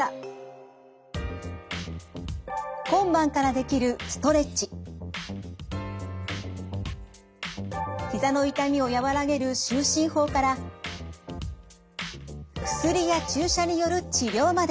今晩からできるひざの痛みを和らげる就寝法から薬や注射による治療まで。